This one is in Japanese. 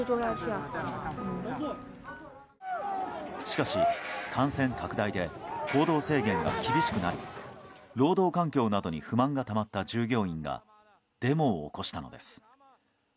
しかし、感染拡大で行動制限が厳しくなり労働環境などに不満がたまった従業員がデモを起こしたのです。